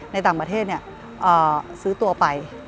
ในต่างประเทศซื้อตัวไป